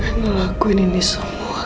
gue ngelakuin ini semua